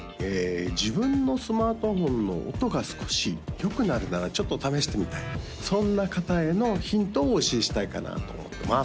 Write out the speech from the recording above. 自分のスマートフォンの音が少し良くなるならちょっと試してみたいそんな方へのヒントをお教えしたいかなと思ってます